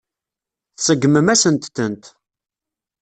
Tseggmem-asent-tent.